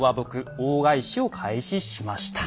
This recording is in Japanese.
大返しを開始しました。